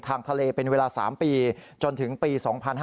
ทางทะเลเป็นเวลา๓ปีจนถึงปี๒๕๕๙